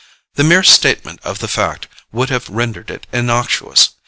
The mere statement of the fact would have rendered it innocuous.